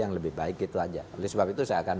yang lebih baik itu aja oleh sebab itu saya akan